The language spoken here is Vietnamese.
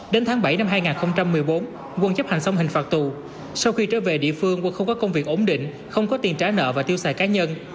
đến tháng bảy năm hai nghìn một mươi bốn quân chấp hành xong hình phạt tù sau khi trở về địa phương quân không có công việc ổn định không có tiền trả nợ và tiêu xài cá nhân